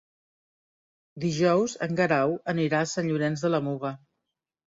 Dijous en Guerau anirà a Sant Llorenç de la Muga.